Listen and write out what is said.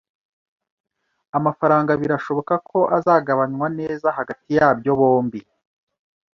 Amafaranga birashoboka ko azagabanywa neza hagati yabyo bombi.